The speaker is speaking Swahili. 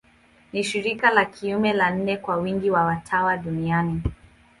Ni shirika la kiume la nne kwa wingi wa watawa duniani.